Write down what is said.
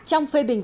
trong phê bình này